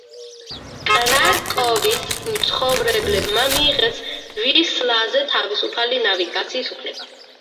კრაკოვის მცხოვრებლებმა მიიღეს ვისლაზე თავისუფალი ნავიგაციის უფლება.